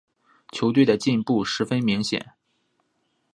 球队的进步十分明显。